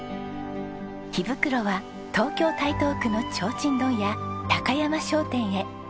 火袋は東京台東区の提灯問屋山商店へ。